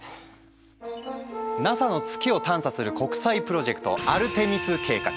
ＮＡＳＡの月を探査する国際プロジェクト「アルテミス計画」。